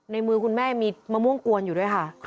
ในมือคุณแม่มีมะม่วงกวนอยู่ด้วยค่ะ